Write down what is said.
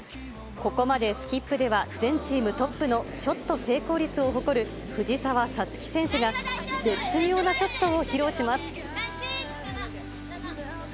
ここまでスキップでは全チームトップのショット成功率を誇る藤澤五月選手が、絶妙なショットを披露します。